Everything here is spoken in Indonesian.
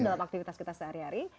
dalam aktivitas kita sehari hari